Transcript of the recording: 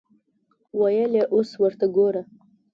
ویل یې اوس ورته ګوره.